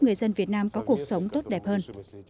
người dân việt nam có cuộc sống tốt đẹp hơn